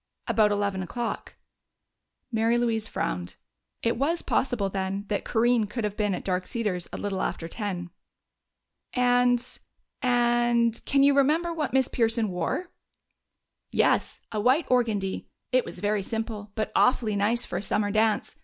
"About eleven o'clock." Mary Louise frowned; it was possible, then, that Corinne could have been at Dark Cedars a little after ten. "And and can you remember what Miss Pearson wore?" "Yes. A white organdie. It was very simple, but awfully nice for a summer dance.